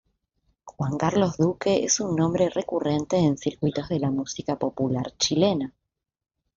Juan Carlos Duque es un nombre recurrente en circuitos de la música popular chilena.